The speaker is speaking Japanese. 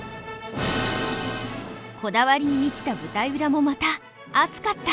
こだわりに満ちた舞台裏もまた熱かった。